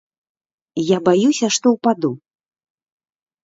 Я баюся, што ўпаду.